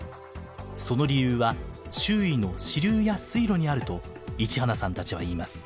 その理由は周囲の支流や水路にあると市花さんたちは言います。